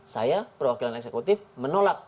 saya perwakilan eksekutif menolak